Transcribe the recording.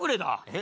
え？